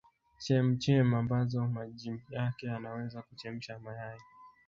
chemchem ambazo maji yake yanaweza kuchemsha mayai